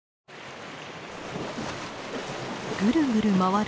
ぐるぐる回る